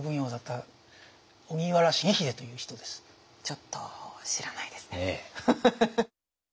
ちょっと知らないですね。